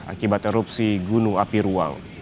akibat erupsi gunung api ruau